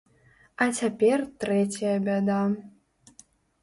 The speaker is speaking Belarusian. А цяпер трэцяя бяда.